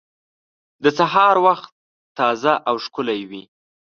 د سهار وخت تازه او ښکلی وي.